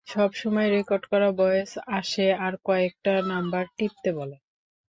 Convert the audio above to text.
সবসময় রেকর্ড করা ভয়েস আসে আর কয়েকটা নাম্বার টিপতে বলে।